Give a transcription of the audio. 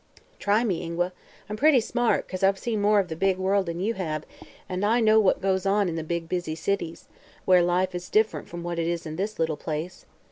"Try me, Ingua. I'm pretty smart, 'cause I've seen more of the big world than you have, and know what goes on in the big, busy cities, Where life is different from what it is in this little place.